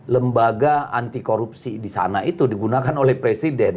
lembaga anti korupsi di sana itu digunakan oleh presiden